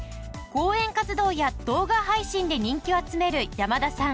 講演活動や動画配信で人気を集める山田さん。